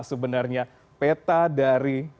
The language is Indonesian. sebenarnya peta dari